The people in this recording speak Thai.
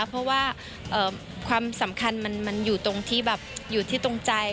เพราะว่าความสำคัญมันอยู่ตรงที่ตรงใจ